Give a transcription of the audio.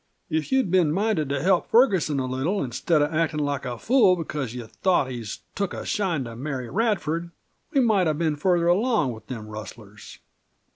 If you'd been minded to help Ferguson a little, instead of actin' like a fool because you've thought he's took a shine to Mary Radford, we might have been further along with them rustlers.